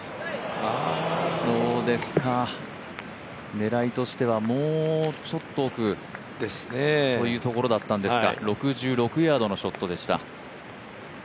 狙いとしてはもうちょっと奥というところだったんですが６６ヤードのショットでした。